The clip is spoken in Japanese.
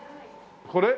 これ？